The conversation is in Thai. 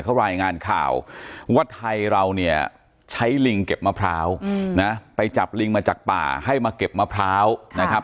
เขารายงานข่าวว่าไทยเราเนี่ยใช้ลิงเก็บมะพร้าวนะไปจับลิงมาจากป่าให้มาเก็บมะพร้าวนะครับ